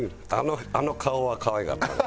あの顔は可愛いかったね。